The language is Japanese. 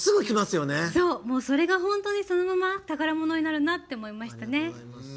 それが本当にそのまま宝物になるなと思いました。